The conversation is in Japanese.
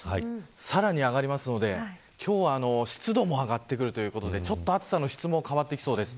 さらに上がりますので今日は湿度も上がってくるということで暑さの質も変わってきそうです。